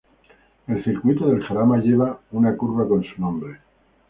El Circuito del Jarama lleva una curva con su nombre.